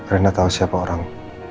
rena tau siapa orang